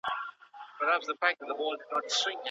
د ژوند تمه به لوړه سي؟